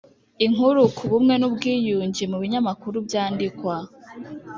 Inkuru ku bumwe n’ ubwiyunge mu binyamakuru byandikwa